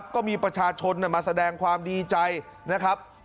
ก็มีประชาชนมาแสดงความดีใจนะครับ